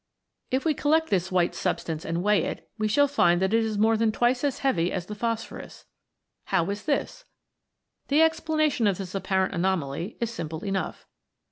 If we collect this white substance and weigh it, we shall find that it is more than twice as heavy as the phosphorus. How is this 1 ? The explanation of this apparent anomaly is simple enough.